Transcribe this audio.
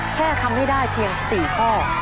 แค่ทำให้ได้เพียง๔ข้อ